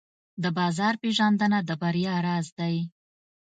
د بازار پېژندنه د بریا راز دی.